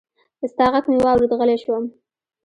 ستا غږ مې واورېد، غلی شوم